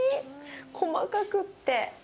細かくって。